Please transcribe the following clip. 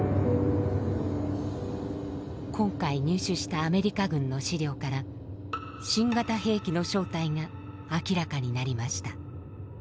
今回入手したアメリカ軍の資料から新型兵器の正体が明らかになりました。